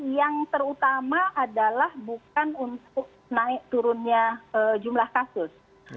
yang terutama adalah bukan untuk naik turunnya jumlah kasus